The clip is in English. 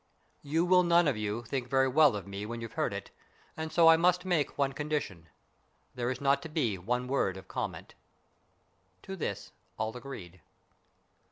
You will none of you think very well of me when you've heard it, and so I must make one condition. There is not to be one word of comment." To this all agreed.